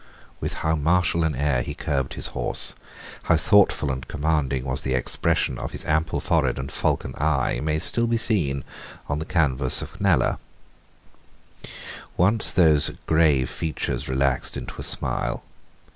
With how martial an air he curbed his horse, how thoughtful and commanding was the expression of his ample forehead and falcon eye, may still be seen on the canvass of Kneller. Once those grave features relaxed into a smile.